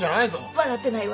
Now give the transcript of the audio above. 笑ってないわ。